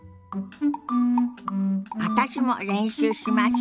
私も練習しましょ。